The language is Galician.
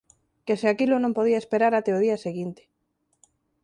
Que se aquilo non podía esperar até o día seguinte.